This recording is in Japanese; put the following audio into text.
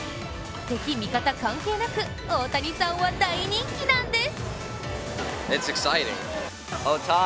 敵味方関係なく、大谷さんは大人気なんです。